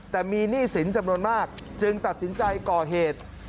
แต่มีหนี้สินจำนวนมากจึงตัดสินใจก่อเหตุ